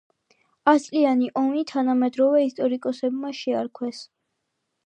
ასწლიანი ომი თანამედროვე ისტორიკოსებმა შეარქვეს.